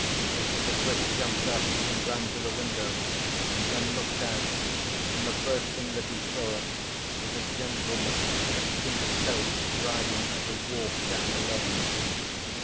Mr. Tebrick jumped up and ran to the window and then looked out, and the first thing that he saw was a gentleman in a pink coat riding at a walk down the lane.